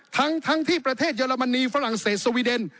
ทั้งที่ประเทศเยอรมนีฝรั่งเศสวีเดน